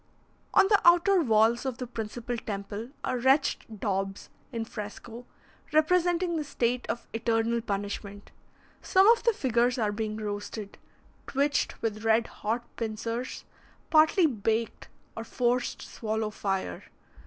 On the outer walls of the principal temple are wretched daubs in fresco, representing the state of eternal punishment. Some of the figures are being roasted, twitched with red hot pincers, partly baked, or forced to swallow fire.